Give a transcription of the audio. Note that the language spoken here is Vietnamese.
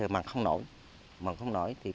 mặt không nổi